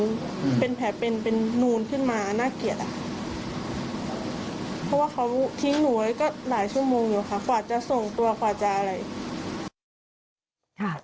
ทิ้งหนูไว้ก็หลายชั่วโมงอยู่ค่ะกว่าจะส่งตัวกว่าจะอะไร